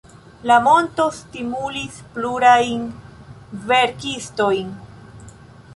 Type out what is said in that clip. La monto stimulis plurajn verkistojn.